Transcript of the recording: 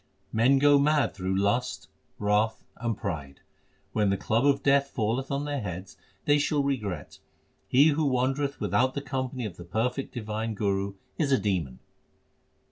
Men go mad through lust, wrath, and pride. When the club of death falleth on their heads, they shall regret. He who wandereth without the company of the perfect divine Guru is a demon.